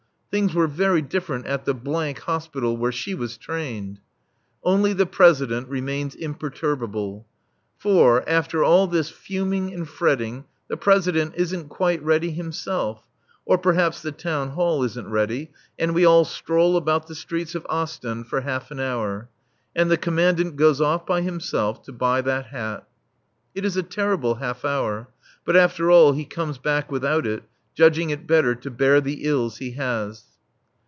Things were very different at the Hospital, where she was trained. Only the President remains imperturbable. For, after all this fuming and fretting, the President isn't quite ready himself, or perhaps the Town Hall isn't ready, and we all stroll about the streets of Ostend for half an hour. And the Commandant goes off by himself, to buy that hat. It is a terrible half hour. But after all, he comes back without it, judging it better to bear the ills he has.